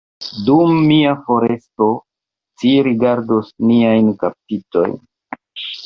Dum mia foresto, ci gardos niajn kaptitojn.